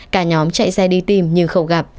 cả nhóm chạy xe đi tìm nhưng không gặp